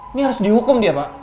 ini harus dihukum dia pak